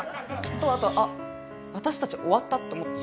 あと「あっ私たち終わった」と思って。